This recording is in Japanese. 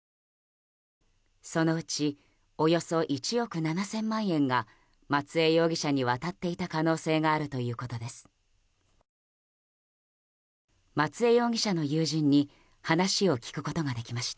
そのうちおよそ１憶７０００万円が松江容疑者に渡っていた可能性があるということです。